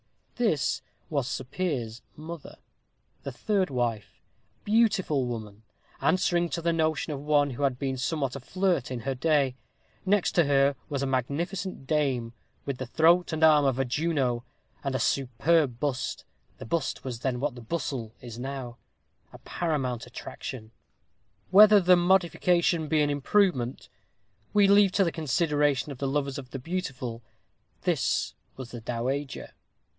This was Sir Piers's mother, the third wife, a beautiful woman, answering to the notion of one who had been somewhat of a flirt in her day. Next to her was a magnificent dame, with the throat and arm of a Juno, and a superb bust the bust was then what the bustle is now a paramount attraction; whether the modification be an improvement, we leave to the consideration of the lovers of the beautiful this was the dowager.